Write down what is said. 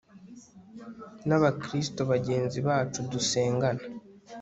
n abakristo bagenzi bacu dusengana